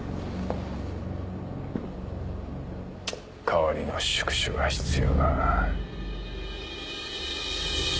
代わりの宿主が必要だな。